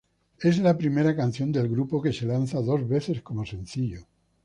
Es la primera canción del grupo que se lanza dos veces como sencillo.